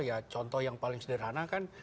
ya contoh yang paling sederhana kan